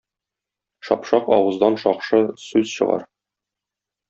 Шапшак авыздан шакшы сүз чыгар.